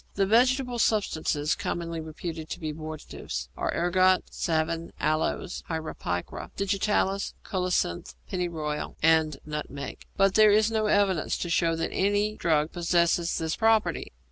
The vegetable substances commonly reputed to be abortives are ergot, savin, aloes (Hierapicra), digitalis, colocynth, pennyroyal, and nutmeg; but there is no evidence to show that any drug possesses this property.